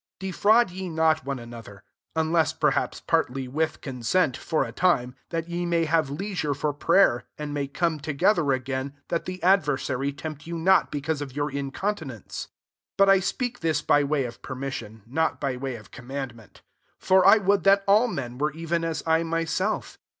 5 Defraud ye not one an other ; unless perhaps partly, with consent, for a time, that ye may Uave leisure for prayer, and may come together again ; that the adversary tempt you not because of your inconti nence. 6 But I speak this by way of permission ; not by way of com mandment. 7 For I would that all men were even as I myself.